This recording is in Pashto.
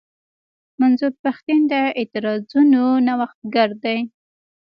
منظور پښتين د اعتراضونو نوښتګر دی.